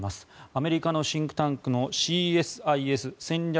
アメリカのシンクタンクのＣＳＩＳ・戦略